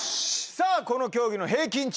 さぁこの競技の平均値